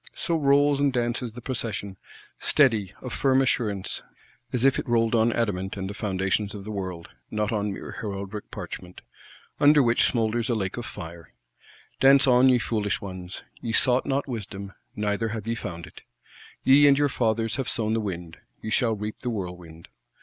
So rolls and dances the Procession: steady, of firm assurance, as if it rolled on adamant and the foundations of the world; not on mere heraldic parchment,—under which smoulders a lake of fire. Dance on, ye foolish ones; ye sought not wisdom, neither have ye found it. Ye and your fathers have sown the wind, ye shall reap the whirlwind.